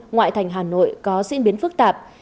ngoại thành hà nội có diễn biến phức tạp